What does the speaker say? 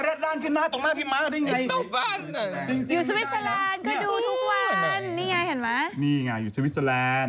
รัดด้านขึ้นหน้าตรงหน้าพี่ม้าก็ได้ไงต้องบ้านจริงจริงอยู่สวิสเซอร์แลนด์